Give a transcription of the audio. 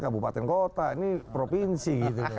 kabupaten kota ini provinsi